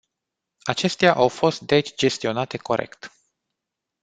Acestea au fost deci gestionate corect.